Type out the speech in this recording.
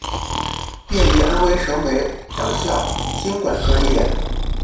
毕业于安徽省委党校经管专业。